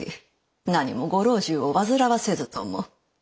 なにもご老中を煩わせずとも。